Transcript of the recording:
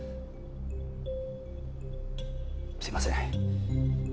すみません。